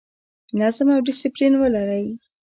نظم او ډیسپلین ولرئ